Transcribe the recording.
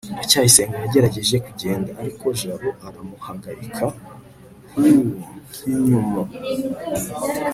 ndacyayisenga yagerageje kugenda, ariko jabo aramuhagarika. (hououinkyouma